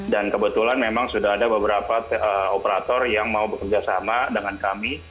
dan kebetulan memang sudah ada beberapa operator yang mau bekerjasama dengan kami